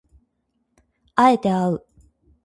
敢えてあう